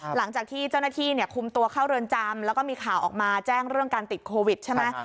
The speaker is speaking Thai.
หลังจากที่เจ้าหน้าที่คุมตัวเข้าเรือนจำแล้วก็มีข่าวออกมาแจ้งเรื่องการติดโควิดใช่ไหม